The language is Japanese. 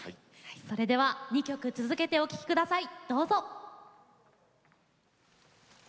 それでは２曲続けてお聴きください。